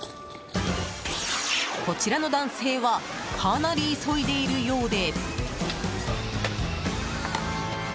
こちらの男性はかなり急いでいるようで。